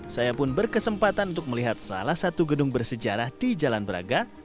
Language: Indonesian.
saya pun berkesempatan untuk melihat salah satu gedung bersejarah di jalan braga